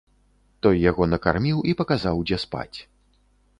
Той яго накарміў і паказаў, дзе спаць.